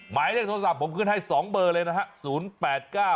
หมายเลขโทรศัพท์ผมขึ้นให้๒เบอร์เลยนะครับ